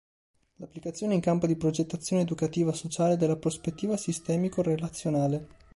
L'applicazione in campo di progettazione educativa sociale della prospettiva sistemico-relazionale.